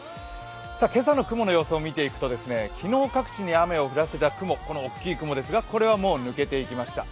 今朝の雲の様子を見ていくと、昨日各地に雨を降らせた雲、この大きい雲ですがこれはもう抜けていきました。